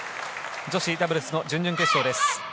女子ダブルスの準々決勝です。